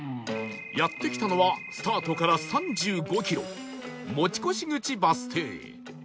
やって来たのはスタートから３５キロ持越口バス停